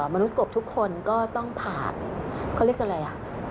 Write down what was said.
มนุษย์กบทุกคนก็ต้องผ่านเขาเรียกอะไรอ่ะ